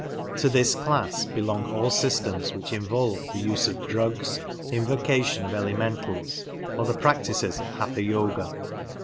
To this class belong all systems which involve the use of drugs, invocation of elementals, or the practices of Hatha Yoga.